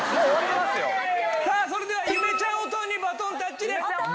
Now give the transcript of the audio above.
さあそれではゆめちゃんおとんにバトンタッチです。